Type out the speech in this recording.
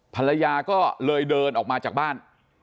ภรรยาก็เลยเดินออกมาจากบ้าน